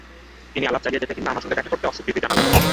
তিনি আলাপ চালিয়ে যেতে কিংবা আমার সঙ্গে দেখা করতে অস্বীকৃতি জানালেন।